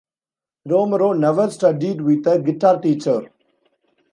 Romero never studied with a guitar teacher.